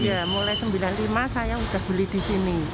iya mulai seribu sembilan ratus sembilan puluh lima saya sudah beli di sini